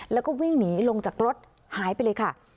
แล้วก็วิ่งหนีลงจากรถหายไปเลยค่ะ